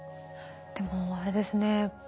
でもあれですね